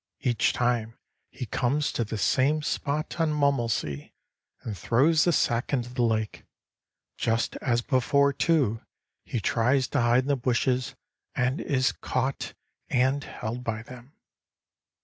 Each time, he comes to the same spot on Mummelsee, and throws the sack into the lake. Just as before, too, he tries to hide in the bushes and is caught and held by them.